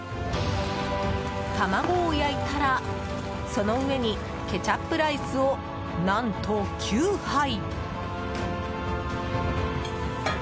卵を焼いたら、その上にケチャップライスを何と９杯。